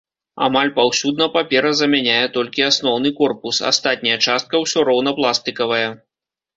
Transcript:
Амаль паўсюдна папера замяняе толькі асноўны корпус, астатняя частка ўсё роўна пластыкавая.